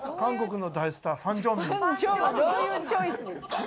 どういうチョイスですか？